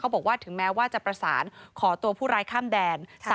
บอกว่าถึงแม้ว่าจะประสานขอตัวผู้ร้ายข้ามแดน